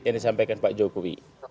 yang disampaikan pak jokowi